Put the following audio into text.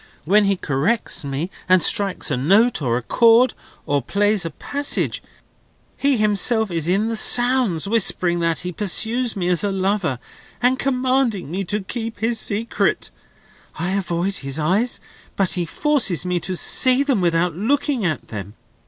When he corrects me, and strikes a note, or a chord, or plays a passage, he himself is in the sounds, whispering that he pursues me as a lover, and commanding me to keep his secret. I avoid his eyes, but he forces me to see them without looking at them.